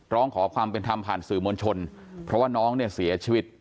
ร้องขอความเป็นธรรมผ่านสื่อมวลชนเพราะว่าน้องเนี่ยเสียชีวิต